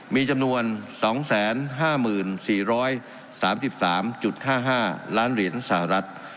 มีจำนวน๒๕๔๓๓๕๕ล้านเหรียญสหรัฐ